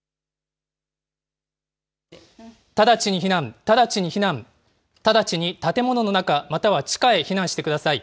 直ちに避難、直ちに避難、直ちに建物の中、または地下へ避難してください。